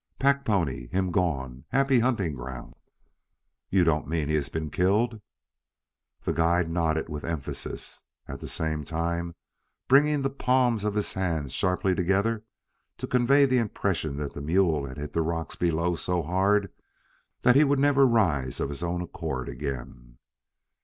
"Pack pony, him gone Happy Hunting Ground." "You don't mean he has been killed?" The guide nodded with emphasis, at the same time bringing the palms of his hands sharply together to convey the impression that the mule had hit the rocks below so hard that he would never rise of his own accord again.